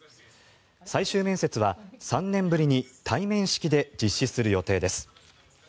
最終面接は３年ぶりに対面式で実施する予定です。